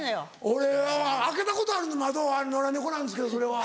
俺開けたことある窓野良猫なんですけどそれは。